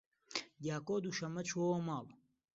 دیاکۆ دووشەممە چووەوە ماڵ.